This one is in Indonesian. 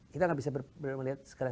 kita gak bisa melihat segala satu dengan satu